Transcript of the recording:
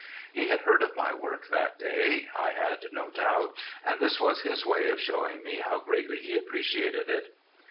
He had heard of my work that day, I had no doubt, and this was his way of showing me how greatly he appreciated it.